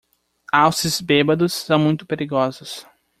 Alces bêbados são muito perigosos.